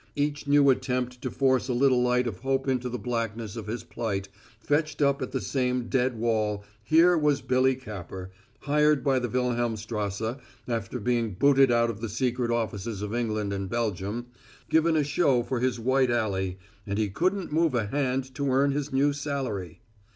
Each new attempt to force a little light of hope into the blackness of his plight fetched up at the same dead wall here was Billy Capper, hired by the Wilhelmstrasse, after having been booted out of the secret offices of England and Belgium given a show for his white alley and he couldn't move a hand to earn his new salary.